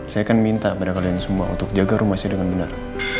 saya akan minta pada kalian semua untuk jaga rumah saya dengan benar